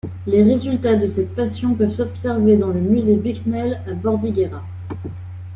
Les résultats de cette passion peuvent s’observer dans le Musée Bicknell à Bordighera.